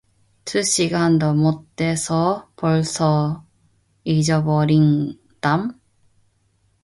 "두 시간도 못 돼서 벌써 잊어버린담?"